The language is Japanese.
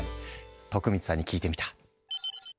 徳光さんに聞いてみた。